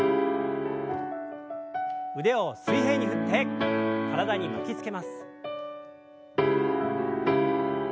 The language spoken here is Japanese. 腕を水平に振って体に巻きつけます。